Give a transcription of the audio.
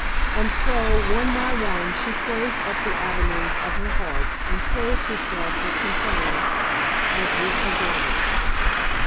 And so, one by one, she closed up the avenues of her heart, and clothed herself with complaining, as with a garment.